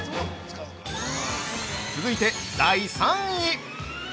続いて第３位！